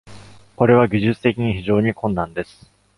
これは、技術的に非常に困難です。